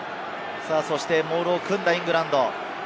そしてモールを組んだイングランド。